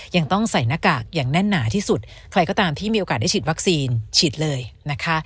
ยังต้องใส่หน้ากากอย่างแน่นหนาที่สุดใครก็ตามที่มีโอกาสได้ฉีดวัคซีนฉีดเลยนะคะ